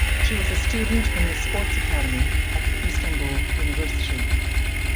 She was a student in the "Sports Academy" at the Istanbul University.